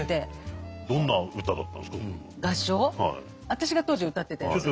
私が当時歌ってたやつ？